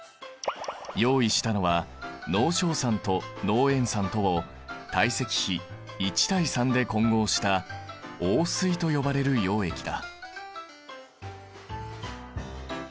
用意したのは濃硝酸と濃塩酸とを体積比１対３で混合した王水と呼ばれる溶液だ。